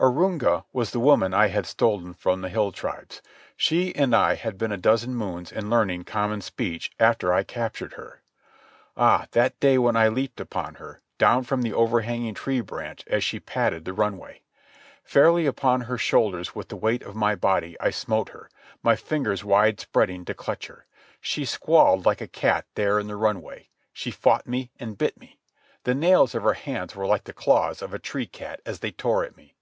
Arunga was the woman I had stolen from the hill tribes. She and I had been a dozen moons in learning common speech after I captured her. Ah, that day when I leaped upon her, down from the over hanging tree branch as she padded the runway! Fairly upon her shoulders with the weight of my body I smote her, my fingers wide spreading to clutch her. She squalled like a cat there in the runway. She fought me and bit me. The nails of her hands were like the claws of a tree cat as they tore at me.